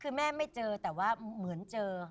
คือแม่ไม่เจอแต่ว่าเหมือนเจอ